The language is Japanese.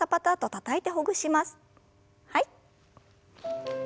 はい。